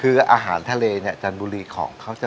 คืออาหารทะเลเนี่ยจันทบุรีของเขาจะ